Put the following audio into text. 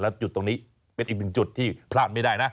แล้วจุดตรงนี้เป็นอีกหนึ่งจุดที่พลาดไม่ได้นะ